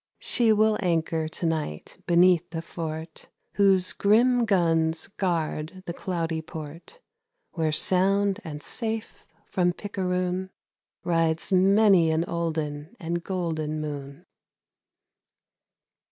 She will anchor to night beneath the fort Whose grim guns guard the cloudy port, Where sound and safe from picaroon Rides many an olden and golden moon.